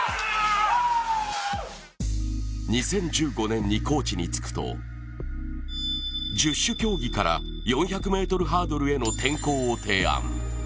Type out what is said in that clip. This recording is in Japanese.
２０１５年にコーチに就くと十種競技から４００ｍハードルへの転向を提案。